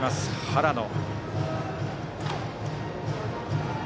原野。